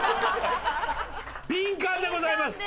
ビンカンでございます。